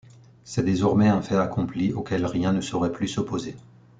C'est désormais un fait accompli, auquel rien ne saurait plus s'opposer.